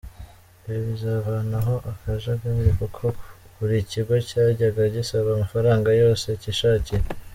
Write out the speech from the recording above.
Ibi bizavanaho akajagari, kuko buri kigo cyajyaga gisaba amafaranga yose cyishakiye!.